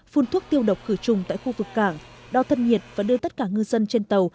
phun thuốc tiêu độc khử trùng tại khu vực cảng đo thân nhiệt và đưa tất cả ngư dân trên tàu